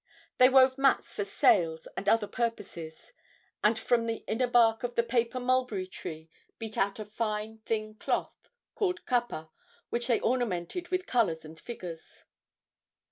They wove mats for sails and other purposes, and from the inner bark of the paper mulberry tree beat out a fine, thin cloth called kapa, which they ornamented with colors and figures.